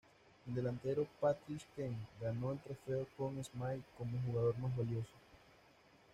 El delantero Patrick Kane ganó el trofeo Conn Smythe como jugador más valioso.